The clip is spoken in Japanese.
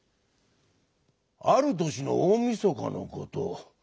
あるとしのおおみそかのこと。